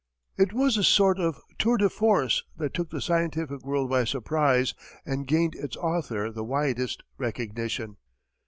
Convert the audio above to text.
It was a sort of tour de force that took the scientific world by surprise and gained its author the widest recognition.